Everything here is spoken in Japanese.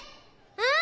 うん！